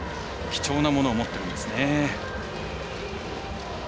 貴重なものを持っているんですね。